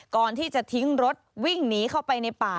ก่อนที่จะทิ้งรถวิ่งหนีเข้าไปในป่า